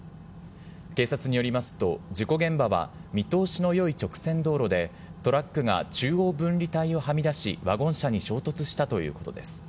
警察によりますと、事故現場は見通しのよい直線道路で、トラックが中央分離帯をはみ出しワゴン車に衝突したということです。